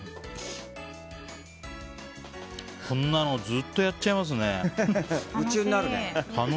こんなのずっとやっちゃいますね。